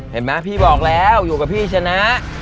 เห็นไหมพี่บอกแล้วอยู่กับพี่ชนะ